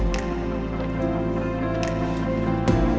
selamat ya ibu ya